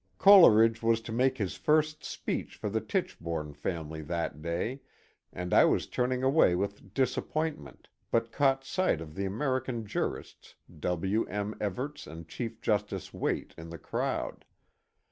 Coleridge was to make his first speech for the Tichbome family that day, and I was turning away with disappointment, but caught sight of the American jurists W. M. Evarts and Chief Justice Waite in the crowd.